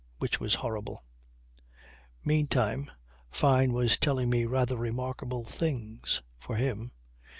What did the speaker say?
Which was horrible. Meantime Fyne was telling me rather remarkable things for him.